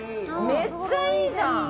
めっちゃいいじゃん！